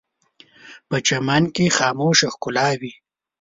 په چمن کې خاموشه ښکلا وي